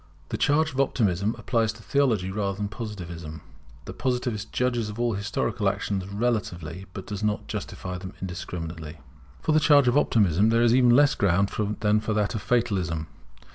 [The charge of Optimism applies to Theology rather than to Positivism. The positivist judges of all historical actions relatively, but does not justify them indiscriminately] For the charge of Optimism there is even less ground than for that of Fatalism.